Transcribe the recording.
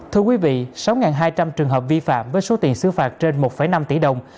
thưa quý vị sáu hai trăm linh trường hợp vi phạm với số tiền xứ phạt trên một năm tỷ đồng